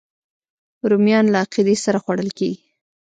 رومیان له عقیدې سره خوړل کېږي